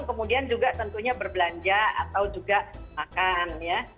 kemudian juga tentunya berbelanja atau juga makan ya